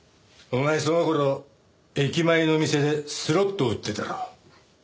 お前その頃駅前の店でスロットを打ってたろ？